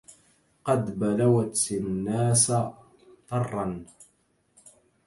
قد بلوت الناس طرا